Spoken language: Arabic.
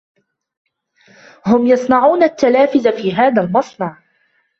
هم يصنعون التلافز في هذا المصنع.